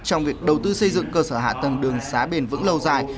trong việc đầu tư xây dựng cơ sở hạ tầng đường xá bền vững lâu dài